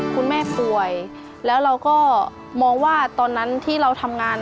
คุณแม่ป่วยแล้วเราก็มองว่าตอนนั้นที่เราทำงาน